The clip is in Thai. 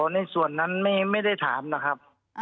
ในส่วนนั้นไม่ได้ถามนะครับ